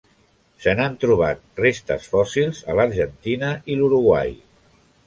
Se n'han trobat restes fòssils a l'Argentina i l'Uruguai.